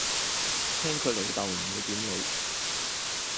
聽佢老竇，唔會點你